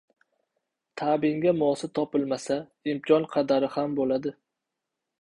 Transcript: • Ta’bingga mosi topilmasa, imkon qadari ham bo‘ladi.